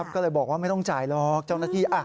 ก็เลยบอกว่าไม่ต้องจ่ายหรอกเจ้าหน้าที่